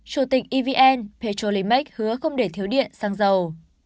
chủ tịch evn petrolimac hứa không để thiếu điện sang giàu